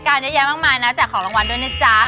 แสดงของรางวัลด้วยนะจ๊ะ